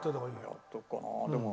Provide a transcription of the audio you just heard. やっておくかなでも。